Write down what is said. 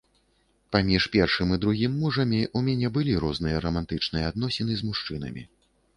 Паміж першым і другім мужамі ў мяне былі розныя рамантычныя адносіны з мужчынамі.